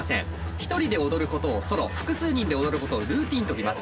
１人で踊ることをソロ複数人で踊ることをルーティーンといいます。